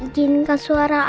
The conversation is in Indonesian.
izinkah suara aku